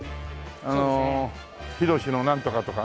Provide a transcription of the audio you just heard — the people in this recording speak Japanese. あの「ヒロシのなんとか」とかね。